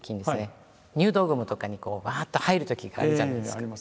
入道雲とかにこうばっと入るときがあるじゃないですか。